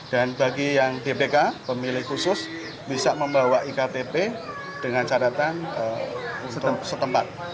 dan bagi yang dpk pemilih khusus bisa membawa iktp dengan catatan setempat